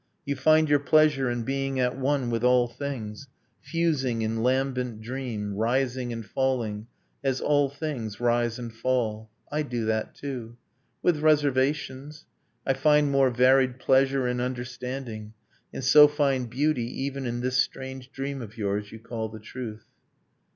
You find your pleasure in being at one with all things Fusing in lambent dream, rising and falling As all things rise and fall ... I do that too With reservations. I find more varied pleasure In understanding: and so find beauty even In this strange dream of yours you call the truth.